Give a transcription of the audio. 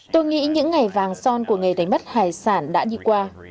tôi nghĩ những ngày vàng son của nghề đánh bắt hải sản đã đi qua